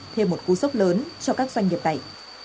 thêm một cú sốc lớn cho các doanh nghiệp này